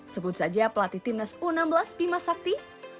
sebut saja pelatih timnas u enam belas bimasakti